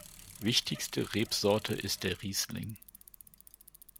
Wichtigste Rebsorte ist der Riesling.